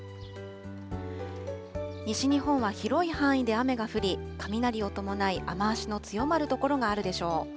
西日本は広い範囲で雨が降り、雷を伴い雨足の強まる所があるでしょう。